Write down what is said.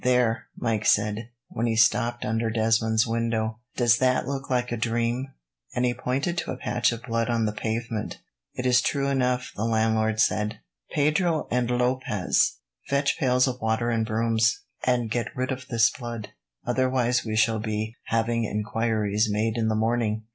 "There," Mike said, when he stopped under Desmond's window; "does that look like a dream?" and he pointed to a patch of blood on the pavement. "It is true enough," the landlord said. "Pedro and Lopez, fetch pails of water and brooms, and get rid of this blood, otherwise we shall be having enquiries made in the morning."